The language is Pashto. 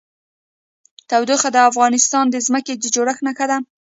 تودوخه د افغانستان د ځمکې د جوړښت نښه ده.